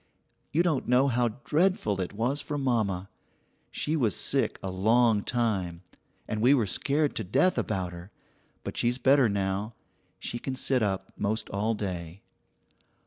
You don't know how dreadful it was for mamma; she was sick a long time, and we were scared to death about her, but she's better now; she can sit up most all day.